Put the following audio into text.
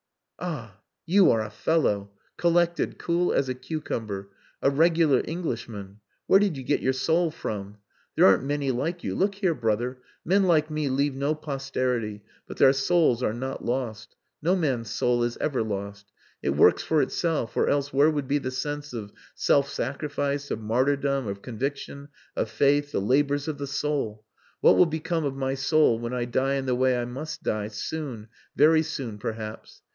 "Ah! You are a fellow! Collected cool as a cucumber. A regular Englishman. Where did you get your soul from? There aren't many like you. Look here, brother! Men like me leave no posterity, but their souls are not lost. No man's soul is ever lost. It works for itself or else where would be the sense of self sacrifice, of martyrdom, of conviction, of faith the labours of the soul? What will become of my soul when I die in the way I must die soon very soon perhaps?